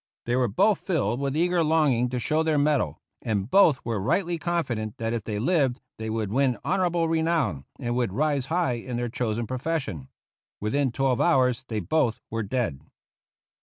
They were both filled with eager longing to show their mettle, and both were rightly confident that if they lived they would win honorable renown and would rise high in their chosen profession. Within twelve hours they both were dead.